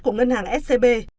của ngân hàng scb